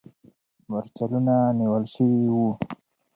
مرچلونه نیول سوي وو.